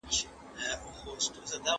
قلا د مېړنو ده څوک به ځي څوک به راځي